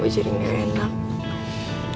gue jadi gak enak